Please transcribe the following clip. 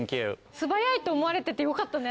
素早いと思われててよかったね。